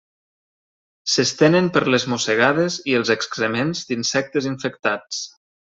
S'estenen per les mossegades i els excrements d'insectes infectats.